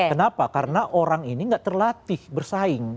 kenapa karena orang ini tidak terlatih bersaing